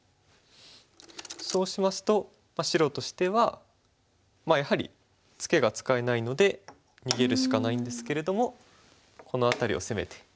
そうしますと白としてはやはりツケが使えないので逃げるしかないんですけれどもこの辺りを攻めて。